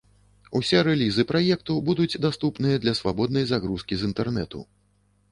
Усе рэлізы праекту будуць даступныя для свабоднай загрузкі з інтэрнэту.